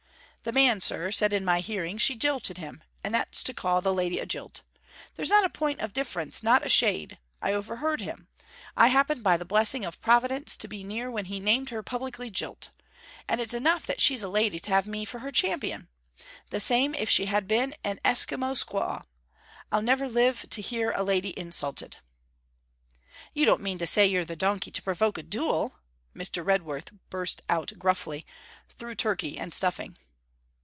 'The man, sir, said in my hearing, she jilted him, and that's to call the lady a jilt. There's not a point of difference, not a shade. I overheard him. I happened by the blessing of Providence to be by when he named her publicly jilt. And it's enough that she's a lady to have me for her champion. The same if she had been an Esquimaux squaw. I'll never live to hear a lady insulted.' 'You don't mean to say you're the donkey to provoke a duel!' Mr. Redworth burst out gruffly, through turkey and stuffing.